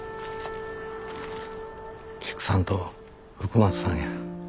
菊さんと福松さんや。